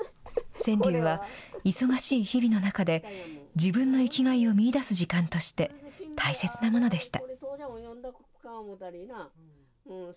川柳は、忙しい日々の中で、自分の生きがいを見いだす時間として、大切なものでした。